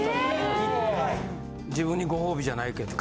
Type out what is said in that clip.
・自分にご褒美じゃないけど。